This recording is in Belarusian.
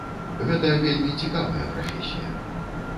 Гэта вельмі цікавая прафесія.